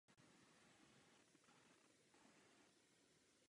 Hlavní město spolkového státu je Campo Grande.